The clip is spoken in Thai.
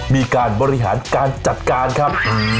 มีการบริหารการจัดการครับ